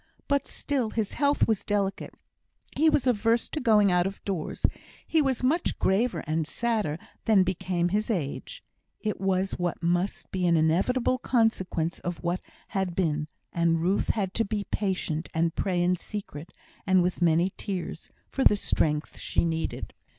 But still his health was delicate; he was averse to going out of doors; he was much graver and sadder than became his age. It was what must be, an inevitable consequence of what had been; and Ruth had to be patient, and pray in secret, and with many tears, for the strength she needed.